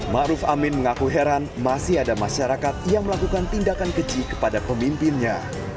ma'ruf amin mengaku heran masih ada masyarakat yang melakukan tindakan keci kepada pemimpinnya